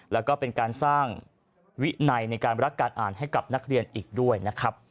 แล้วก็เป็นการสร้างวินัยในการรักการอ่านให้กับนักเรียนอีกด้วยนะครับ